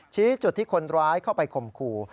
ชี้จุดที่คนร้ายเข้าไปข่มขู่